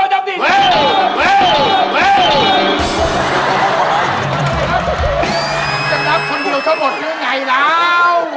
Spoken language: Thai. เราจะนับคนเดียวข้าวหมดคืองัยแล้ว